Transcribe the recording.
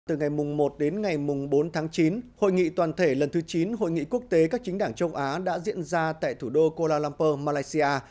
từ ngày một đến ngày bốn tháng chín hội nghị toàn thể lần thứ chín hội nghị quốc tế các chính đảng châu á đã diễn ra tại thủ đô kuala lumpur malaysia